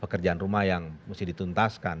pekerjaan rumah yang mesti dituntaskan